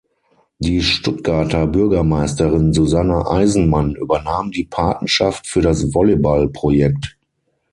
Die Stuttgarter Bürgermeisterin Susanne Eisenmann übernahm die Patenschaft für das Volleyball-Projekt.